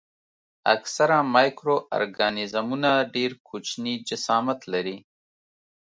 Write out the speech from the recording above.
اکثره مایکرو ارګانیزمونه ډېر کوچني جسامت لري.